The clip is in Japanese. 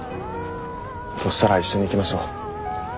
そしたら一緒に行きましょう。